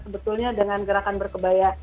sebetulnya dengan gerakan berkebaya